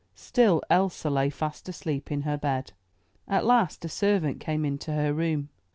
Still Elsa lay fast asleep in her bed. At last a servant came into her room.